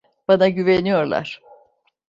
Bana güveniyorlar.